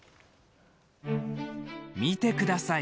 見てください。